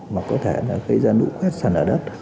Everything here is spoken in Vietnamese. mà có thể là cái dân ủ quét sẵn lả đất